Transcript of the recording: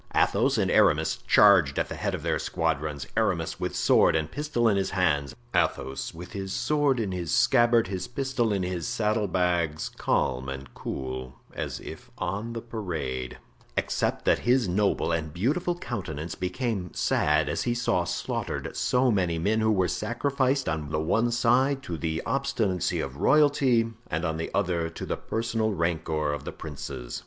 Athos and Aramis charged at the head of their squadrons; Aramis with sword and pistol in his hands, Athos with his sword in his scabbard, his pistol in his saddle bags; calm and cool as if on the parade, except that his noble and beautiful countenance became sad as he saw slaughtered so many men who were sacrificed on the one side to the obstinacy of royalty and on the other to the personal rancor of the princes.